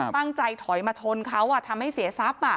ถอยมาชนเขาทำให้เสียทรัพย์